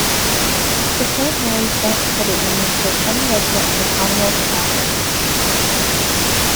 The Saint Mary's Bank Credit Union serves any resident of the Commonwealth of Massachusetts.